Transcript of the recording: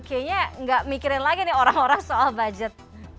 kayaknya nggak mikirin lagi nih orang orang soal budget